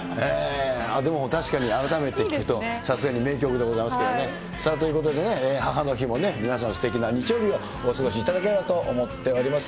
でも確かに改めて聴くと、さすがに名曲でございますけどね。ということでね、母の日も皆さん、すてきな日曜日をお過ごしいただければと思っております。